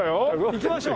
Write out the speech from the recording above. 行きましょう。